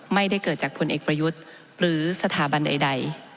ไม่ได้เกิดจากผลเอกประยุทธ์หรือสถาบันใด